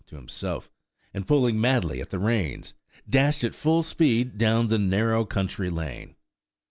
to himself, and pulling madly at the reins, dashed at full speed down the narrow country lane.